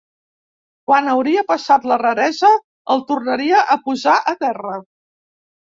Quan hauria passat la raresa el tornaria a posar a terra